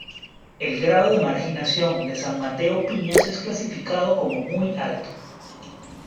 El grado de marginación de San Mateo Piñas es clasificado como Muy alto.